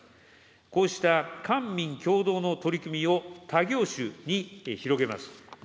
こうした官民協働の取り組みを他業種に広げます。